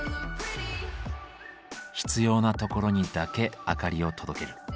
必要なところにだけ明かりを届ける。